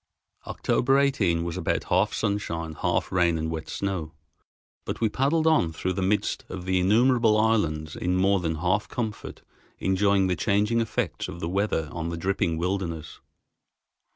October 18 was about half sunshine, half rain and wet snow, but we paddled on through the midst of the innumerable islands in more than half comfort, enjoying the changing effects of the weather on the dripping wilderness.